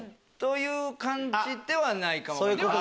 そういう感じではないかも。